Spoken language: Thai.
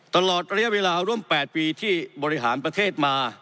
ตลอดระยะเวลาร่วม๘ปีที่บริหารประเทศมา